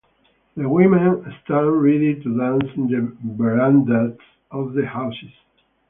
The women stand ready to dance in the verandahs of the houses.